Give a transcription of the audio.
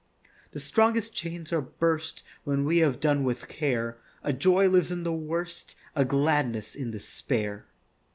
The strongest chains are burst When we have done with care; A joy lives in the worst, A gladness in despair.